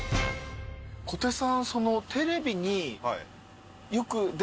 小手さん。